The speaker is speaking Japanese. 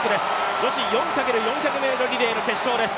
女子４×４００ｍリレーの決勝です。